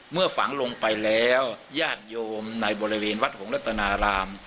เมื่อฝังลงไปแล้วญาติโยมในบริเวณวัดหงรัตนาราม